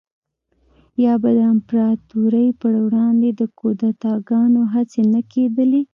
یا به د امپراتورۍ پروړاندې د کودتاګانو هڅې نه کېدلې